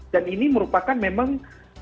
dan ini merupakan memang